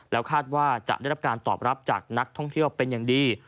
แล้วคาดว่าจะได้รับการตอบรับจากนักท่องเที่ยวเป็นอย่างดี